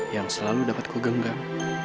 yang selalu dapat kue genggam